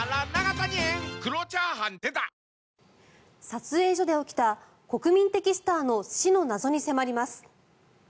撮影所で起きた国民的スターの死の謎に迫ります。